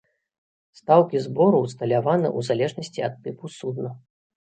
Стаўкі збору ўсталяваны ў залежнасці ад тыпу судна.